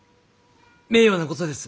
名誉なことです。